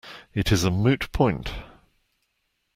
It is a moot point.